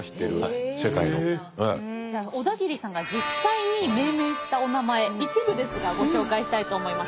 じゃあ小田切さんが実際に命名したおなまえ一部ですがご紹介したいと思います。